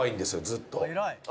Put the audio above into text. ずっと。